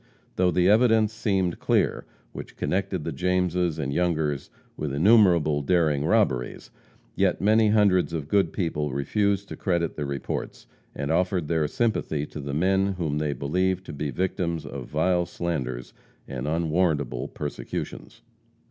Though the evidence seemed clear, which connected the Jameses and Youngers with innumerable daring robberies, yet many hundreds of good people refused to credit the reports, and offered their sympathy to the men whom they believed to be victims of vile slanders and unwarrantable persecutions.